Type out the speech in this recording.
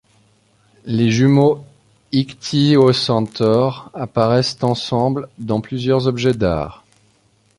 Les jumeaux ichtyocentaures apparaissent ensemble dans plusieurs objets d’art.